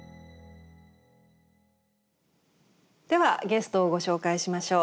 ではゲストをご紹介しましょう。